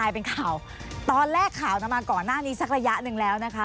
ตอนแรกข่าวมาก่อนหน้านี้สักระยะหนึ่งแล้วนะคะ